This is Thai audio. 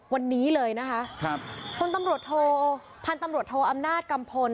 วันนี้เลยนะคะครับพลตำรวจโทพันธุ์ตำรวจโทอำนาจกัมพล